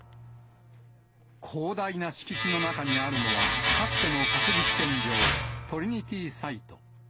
広大な敷地の中にあるのは、かつての核実験場、トリニティ・サイト。